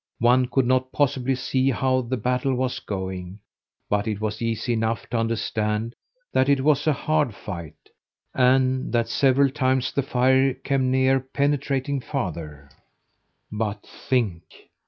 One could not possibly see how the battle was going, but it was easy enough to understand that it was a hard fight, and that several times the fire came near penetrating farther. But think!